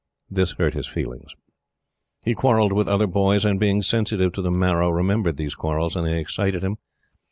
This hurt his feelings. He quarrelled with other boys, and, being sensitive to the marrow, remembered these quarrels, and they excited him.